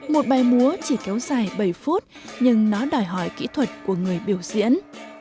một bài múa chỉ kéo dài bảy phút nhưng nó đòi hỏi kỹ thuật của người biểu diễn